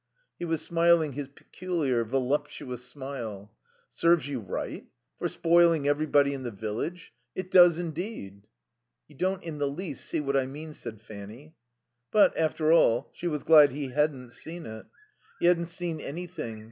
He was smiling his peculiar, voluptuous smile. "Serves you right? For spoiling everybody in the village? It does indeed." "You don't in the least see what I mean," said Fanny. But, after all, she was glad he hadn't seen it. He hadn't seen anything.